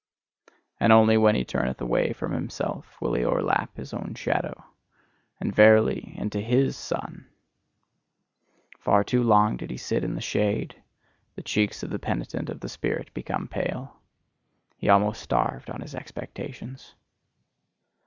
And only when he turneth away from himself will he o'erleap his own shadow and verily! into HIS sun. Far too long did he sit in the shade; the cheeks of the penitent of the spirit became pale; he almost starved on his expectations.